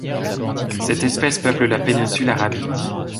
Cette espèce peuple la péninsule Arabique.